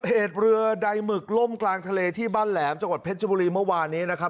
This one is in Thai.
เหตุเรือใดหมึกล่มกลางทะเลที่บ้านแหลมจังหวัดเพชรบุรีเมื่อวานนี้นะครับ